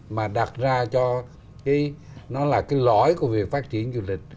mà đặt ra cho cái lõi của việc phát triển du lịch